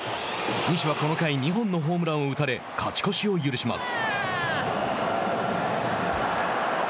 西はこの回２本のホームランを打たれ勝ち越しを許します。